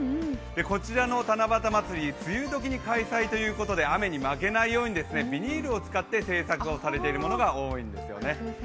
こちらの七夕まつり、梅雨時に開催ということで雨に負けないようにビニールを使って製作をされているものが多いんですよね。